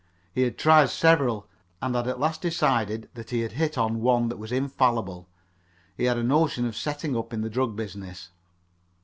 He had tried several, and had at last decided that he had hit on one that was infallible. He had a notion of setting up in the drug business.